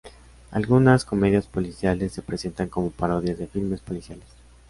Algunas comedias policiales se presentan como parodias de filmes policiales.